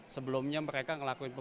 sebelumnya mereka melakukan pembukuan